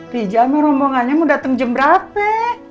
pijama rombongannya mau dateng jam berapa